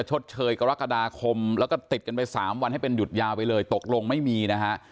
ชดเชยกรกฎาคมแล้วก็ติดกันไป๓วันให้เป็นหยุดยาวไปเลยตกลงไม่มีนะฮะ